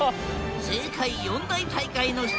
世界４大大会の一つ